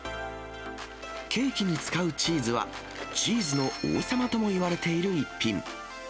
ケーキに使うチーズは、チーズの王様ともいわれている一品。